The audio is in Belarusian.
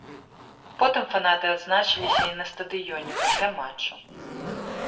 Потым фанаты адзначыліся і на стадыёне, пасля матчу.